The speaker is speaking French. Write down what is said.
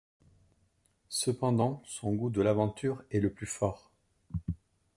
Cependant son goût de l'aventure est le plus fort.